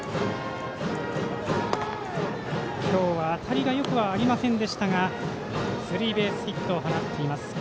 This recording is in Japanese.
今日は当たりがよくありませんでしたがスリーベースヒットを放っています。